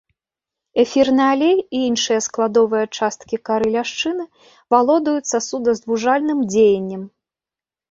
Эфірны алей і іншыя складовыя часткі кары ляшчыны валодаюць сасудазвужальным дзеяннем.